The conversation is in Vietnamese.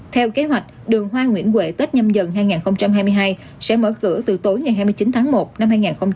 theo kế hoạch đường hoa nguyễn huệ tết nhâm dần hai nghìn hai mươi hai sẽ mở cửa từ tối ngày hai mươi chín tháng một năm hai nghìn hai mươi